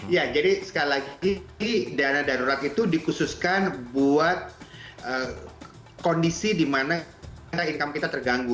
ya jadi sekali lagi dana darurat itu dikhususkan buat kondisi di mana income kita terganggu